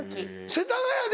世田谷で？